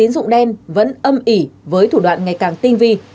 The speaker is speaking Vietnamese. vẫn âm ỉ với thủ đoạn ngày càng tinh vi